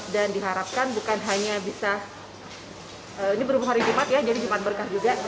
dan diharapkan bukan hanya bisa ini berhubung hari jumat ya jadi jumat berkah juga